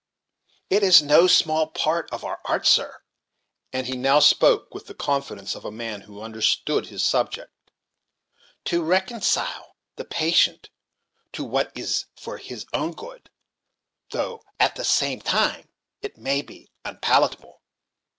It is no small part of our art, sir," and he now spoke with the confidence of a man who understood his subject, "to reconcile the patient to what is for his own good, though at the same time it may be unpalatable."